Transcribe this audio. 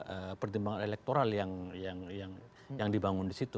ada pertimbangan elektoral yang dibangun di situ